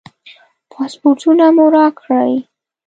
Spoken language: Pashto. پاسپورټونه مو راکړئ.